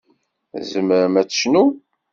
Tzemrem ad tecnum.